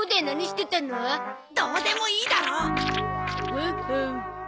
ほうほう。